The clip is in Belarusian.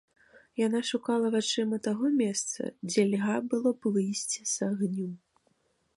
Яна шукала вачыма таго месца, дзе льга было б выйсці з агню.